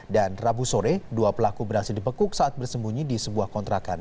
dan rabu sore dua pelaku beraksi dipekuk saat bersembunyi di sebuah kontrakan